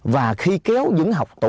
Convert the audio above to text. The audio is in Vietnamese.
và khi kéo dính học tủ